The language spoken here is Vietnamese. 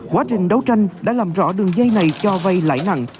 quá trình đấu tranh đã làm rõ đường dây này cho vay lãi nặng